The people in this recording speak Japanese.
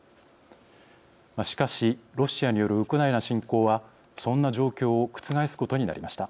しかしロシアによるウクライナ侵攻はそんな状況を覆すことになりました。